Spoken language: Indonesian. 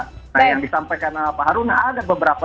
nah yang disampaikan pak haruna ada beberapa